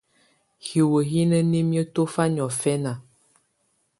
Hiwǝ́ hi ná nimǝ́ tɔ̀fá niɔ̀fɛná.